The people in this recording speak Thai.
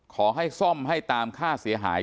ขอให้ซ่อมให้ตามค่าเสียหาย